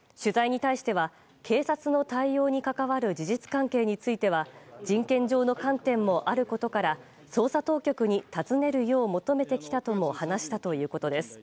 取材に対しては警察の対応に関わる事実関係については人権上の観点もあることから捜査当局に尋ねるよう求めてきたとも話したということです。